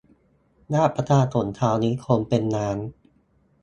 ราชประสงค์เช้านี้คนเป็นล้าน